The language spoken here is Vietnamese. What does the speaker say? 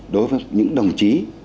đối với những đồng chí